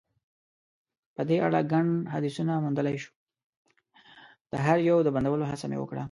د هر يو د بندولو هڅه مې وکړه.